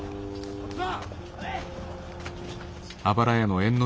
こっちだ！